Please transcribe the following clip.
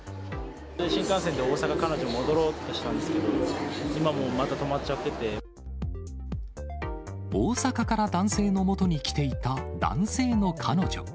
新幹線で大阪に彼女が戻ろうとしたんですけど、今もう、大阪から男性のもとに来ていた、男性の彼女。